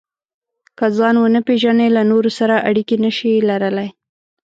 که ځان ونه پېژنئ، له نورو سره اړیکې نشئ لرلای.